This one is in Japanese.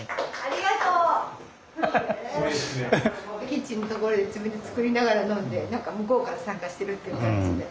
キッチンのところで自分で作りながら飲んで何か向こうから参加してるっていう感じで。